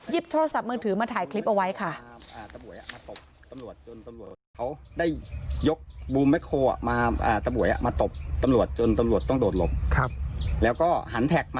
โทรศัพท์มือถือมาถ่ายคลิปเอาไว้ค่ะ